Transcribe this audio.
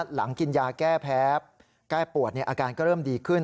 หลังกินยาแก้แพ้แก้ปวดอาการก็เริ่มดีขึ้น